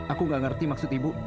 aku gak ngerti maksud ibu